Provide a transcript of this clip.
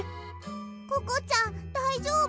ココちゃんだいじょうぶ？